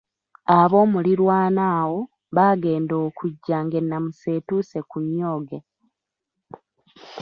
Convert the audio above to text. Aboomuliraano awo baagenda okujja ng’ennamusa etuuse ku nnyooge.